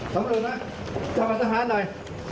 ตำรวจมาจับอัศภาษณ์หน่อย